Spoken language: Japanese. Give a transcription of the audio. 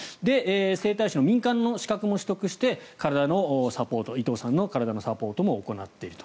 整体師の民間の資格も取得して体のサポート伊藤さんの体のサポートも行っていると。